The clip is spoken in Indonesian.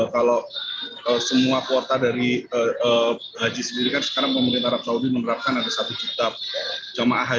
kalau semua kuota dari haji sendiri kan sekarang pemerintah arab saudi menerapkan ada satu juta jamaah haji